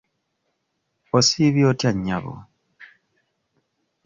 Osiibye otya nnyabo?